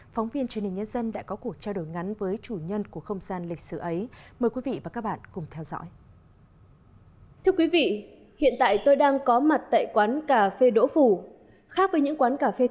phóng viên truyền hình nhân dân đã có cuộc trao đổi ngắn với chủ nhân của không gian lịch sử ấy